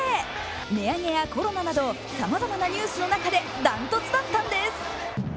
値上げやコロナなどさまざまなニュースの中で断トツだったんです。